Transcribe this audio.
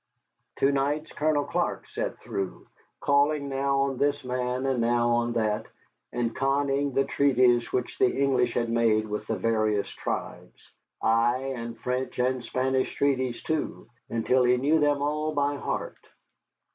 Two nights Colonel Clark sat through, calling now on this man and now on that, and conning the treaties which the English had made with the various tribes ay, and French and Spanish treaties too until he knew them all by heart.